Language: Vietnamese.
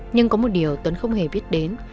nhưng có một điều tuấn không hề biết đến